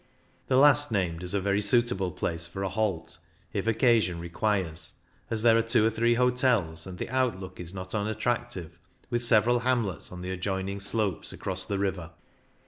The last named is a very suitable place for a halt, if occasion requires, as there are two or three hotels, and the outlook is not unattractive, with several hamlets on the adjoining slopes across the river.